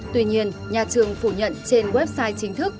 tuy nhiên nhà trường phủ nhận trên website chính thức